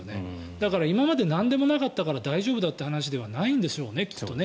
だから、今までなんでもなかったから大丈夫だという話ではないんでしょうね、きっとね。